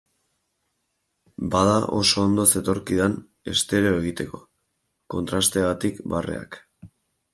Bada oso ondo zetorkidan estereo egiteko, kontrasteagatik barreak.